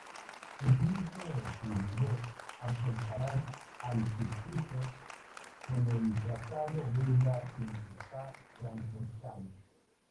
Incluso se llegó a comparar al circuito con el trazado belga de Spa-Francorchamps.